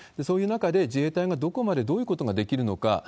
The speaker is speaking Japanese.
そういう中で、自衛隊がどこまでどういうことができるのか。